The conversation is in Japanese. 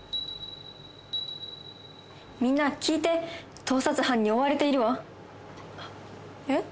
みんな聞いて盗撮犯に追われているわあえ